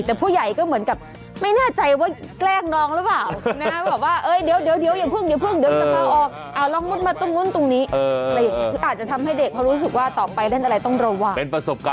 แต่ผู้ใหญ่ก็เหมือนกับไม่น่าใจว่าแกล้งน้องหรือเปล่านะครับบอกว่าเดี๋ยวอย่าพึ่ง